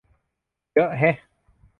เยอะแฮะ